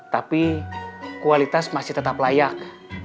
tapi kualitas masih tetap layak